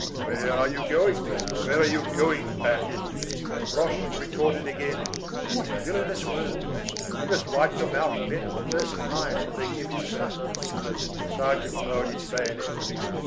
Where are you going? Where are you going, bandit?" Gavroche retorted again:— "What villainous words! You must wipe your mouth better the first time that they give you suck." The sergeant lowered his bayonet.